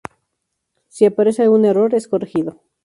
Si aparece algún error, es corregido.